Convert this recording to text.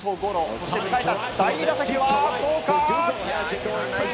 そして迎えた第２打席はどうか？